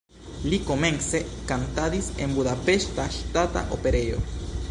Li komence kantadis en Budapeŝta Ŝtata Operejo.